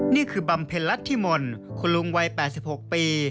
นี่คือบำเพลลัดธิมนตร์คุณลุงวัย๘๖ปี